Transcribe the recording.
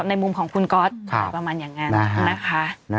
ในมุมของคุณก๊อตอะไรประมาณอย่างนั้นนะคะ